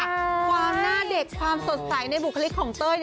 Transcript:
ความหน้าเด็กความสดใสในบุคลิกของเต้ย